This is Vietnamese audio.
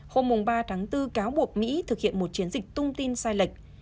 hôm ba tháng bốn cáo buộc mỹ thực hiện một chiến dịch tung tin sai lệch